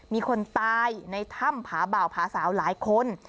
มีคนตายในถ้ำผาบ่าวผาสาวหลายคน